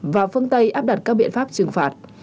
và phương tây áp đặt các biện pháp trừng phạt